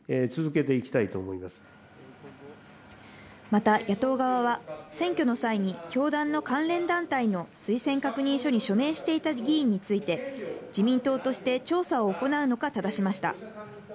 また野党側は、選挙の際に教団の関連団体の推薦確認書に署名していた議員について、自民党として調査を行うのか質しました。